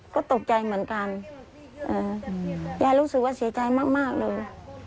ก็ตกใจเหมือนกันยายรู้สึกว่าเสียใจมากเลย